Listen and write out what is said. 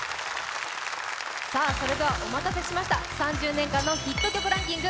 それではお待たせしました、３０年間のヒット曲ランキング。